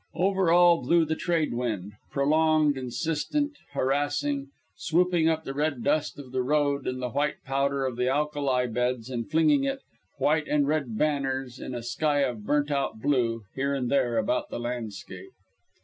Over all blew the trade wind; prolonged, insistent, harassing, swooping up the red dust of the road and the white powder of the alkali beds, and flinging it white and red banners in a sky of burnt out blue here and there about the landscape.